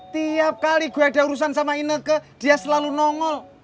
tiap kali gue ada urusan sama ineke dia selalu nongol